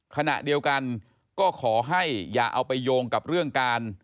ขณะเดียวกันก็ขอให้อย่าเอาไปโยงกับเรื่องการ